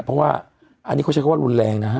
เพราะว่าอันนี้เขาใช้คำว่ารุนแรงนะฮะ